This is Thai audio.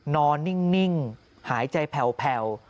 นอนนิ่งหายใจแผ่ว